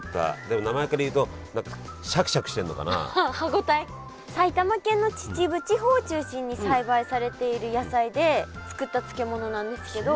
でも埼玉県の秩父地方を中心に栽培されている野菜で作った漬物なんですけど。